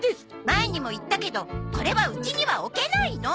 前にも言ったけどこれはうちには置けないの。